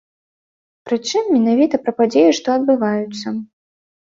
Прычым, менавіта пра падзеі, што адбываюцца.